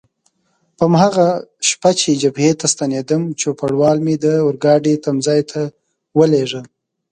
په هماغه شپه چې جبهې ته ستنېدم، چوپړوال مې د اورګاډي تمځای ته ولېږه.